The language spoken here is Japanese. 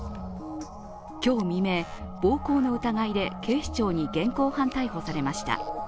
今日未明、暴行の疑いで警視庁に現行犯逮捕されました。